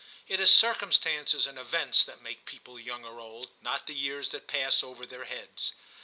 It is circumstances and events that make people young or old, not the years that pass over their heads.